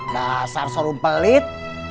dasar serum pelit